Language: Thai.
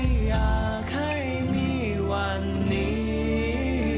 ถ้าใครมีวันนี้